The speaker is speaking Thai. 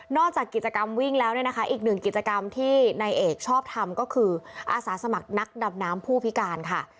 จากกิจกรรมวิ่งแล้วเนี่ยนะคะอีกหนึ่งกิจกรรมที่นายเอกชอบทำก็คืออาสาสมัครนักดำน้ำผู้พิการค่ะ